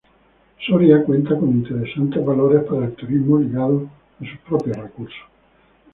Soria cuenta con interesantes valores para el turismo, ligados a sus propios recursos.